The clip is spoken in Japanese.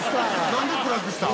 なんで暗くした？」